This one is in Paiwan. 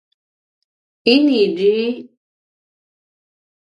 ini dri